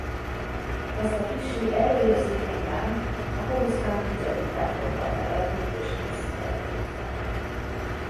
Ezt a kissé Erő-érzékeny lányt a coruscanti Jedi Templomban nevelték és készítették fel.